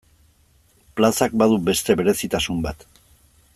Plazak badu beste berezitasun bat.